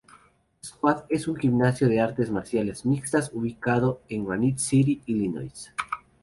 Squad, es un gimnasio de artes marciales mixtas ubicado en Granite City, Illinois.